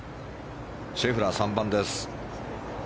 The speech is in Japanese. シェフラー、３番です。